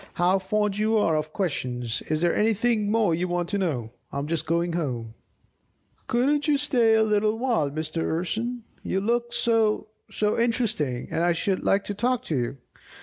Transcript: How fond you are of questions! Is there anything more you want to know? I'm just going home." "Couldn't you stay a little while, Mr. Urson? You look so so interesting, and I should like to talk to you!"